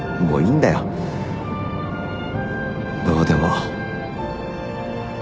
もういいんだよどうでも。